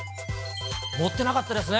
盛ってなかったですね。